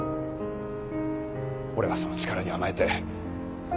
俺はその力に甘えて。